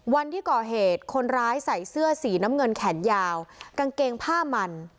วันที่ก่อเหตุคนร้ายใส่เสื้อสีน้ำเงินแขนยาวกางเกงผ้ามัน